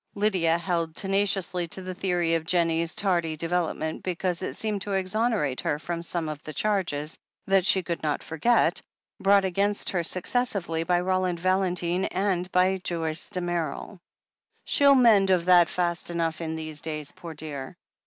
Lydia held tenaciously to the theory of Jennie's tardy development because it seemed to exonerate her from some of the charges, that she could not forget, brought against her successively by Roland Valentine and by Joyce Damerel. "Shell mend of that fast enough in these days, poor dear